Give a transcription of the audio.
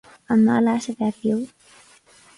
An maith leat a bheith beo?